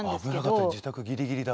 危なかった自宅ギリギリだ。